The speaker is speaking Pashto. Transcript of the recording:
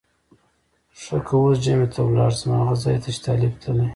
ښه که اوس جمعه ته لاړم هغه ځای ته چې طالب تللی.